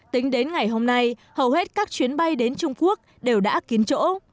tính đến ngày hôm nay hầu hết các chuyến bay đến trung quốc đều đã kín chỗ